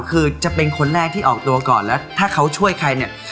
คือจะเป็นคนแรกที่ออกตัวก่อนแล้วถ้าเขาช่วยใครเนี่ย